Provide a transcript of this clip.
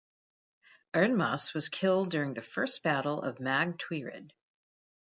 Ernmas was killed during the first battle of Mag Tuired.